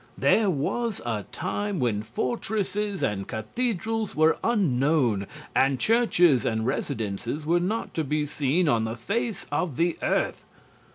There was a time when fortresses and cathedrals were unknown, and churches and residences were not to be seen on the face of the earth.